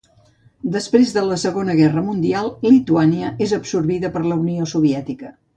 Després de la Segona Guerra Mundial, Lituània és absorbida per la Unió Soviètica.